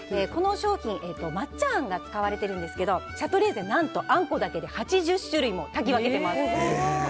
この商品、抹茶あんが使われているんですけどシャトレーゼ、何とあんこだけで８０種類も炊き分けています。